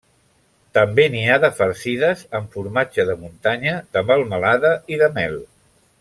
També n'hi ha de farcides amb formatge de muntanya, de melmelada i de mel.